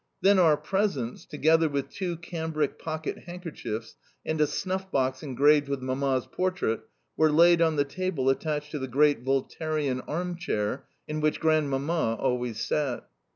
Then our presents, together with two cambric pocket handkerchiefs and a snuff box engraved with Mamma's portrait, were laid on the table attached to the great Voltairian arm chair in which Grandmamma always sat.